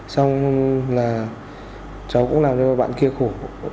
xong là cháu cũng làm cho bạn kia khổ